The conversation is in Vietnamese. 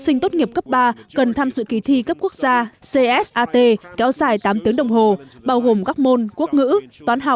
sinh tốt nghiệp cấp ba cần tham dự kỳ thi cấp quốc gia csat kéo dài tám tiếng đồng hồ bao gồm các môn quốc ngữ toán học